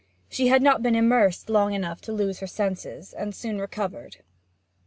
She had not been immersed long enough to lose her senses, and soon recovered.